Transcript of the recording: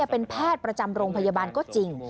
เป็นแพทย์ประจำโรงพยาบาลก็จริง